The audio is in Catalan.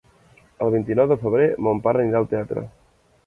El vint-i-nou de febrer mon pare anirà al teatre.